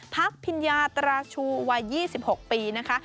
พักพิญญาตราชูวัย๒๖ปีนะคะ